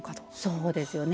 そうですよね。